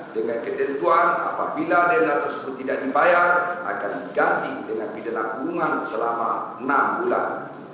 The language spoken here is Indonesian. dengan ketentuan apabila denda tersebut tidak dibayar akan diganti dengan pidana kungan selama enam bulan